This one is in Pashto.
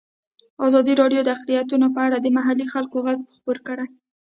ازادي راډیو د اقلیتونه په اړه د محلي خلکو غږ خپور کړی.